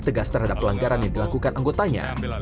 tegas terhadap pelanggaran yang dilakukan anggotanya